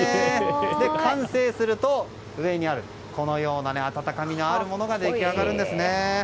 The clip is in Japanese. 完成すると、上にあるこのような温かみのあるものが出来上がるんですね。